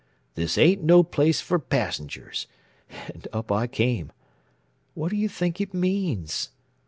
'This ain't no place for passengers' and up I came. What do you think it means?